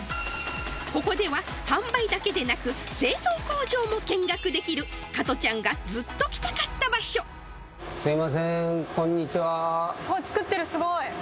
ここでは販売だけでなく製造工場も見学できる加トちゃんがずっと来たかった場所あっ作ってるすごい！